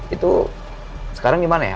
itu sekarang gimana ya